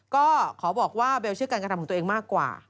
ก็ขอบอกว่าเบลเชื่อการกระทำของตัวเองมากกว่า